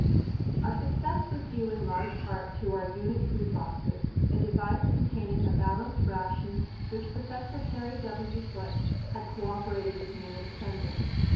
Our success was due in large part to our "unit food boxes," a device containing a balanced ration which Professor Harry W. Foote had cooperated with me in assembling.